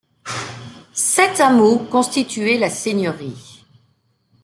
Sept hameaux constituaient la seigneurie.